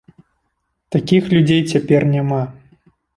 Такіх людзей цяпер няма.